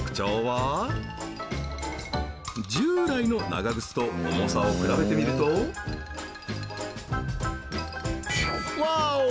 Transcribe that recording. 従来の長靴と重さを比べてみるとワーオ！